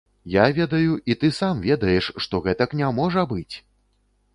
Я ведаю і ты сам ведаеш, што гэтак не можа быць!